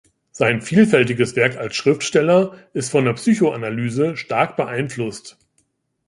Sein vielfältiges Werk als Schriftsteller ist von der Psychoanalyse stark beeinflusst.